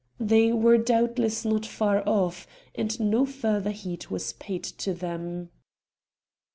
They were doubtless not far off; and no further heed was paid to them.